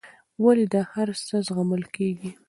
ولې دا هرڅه زغمل کېږي.